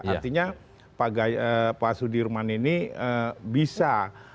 artinya pak sudirman ini bisa